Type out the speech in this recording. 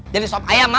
jadi sop ayam mau